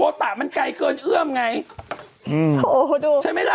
ตะมันไกลเกินเอื้อมไงอืมโหดูใช่ไหมล่ะ